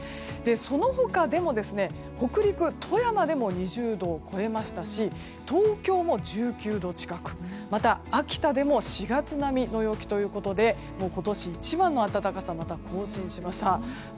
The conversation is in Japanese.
その他でも、北陸、富山でも２０度を超えましたし東京も１９度近くまた、秋田でも４月並みの陽気ということで今年一番の暖かさをまた更新しました。